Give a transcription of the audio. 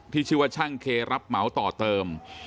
ที่ชื่อว่าช่างเครับเหมาต่อเติม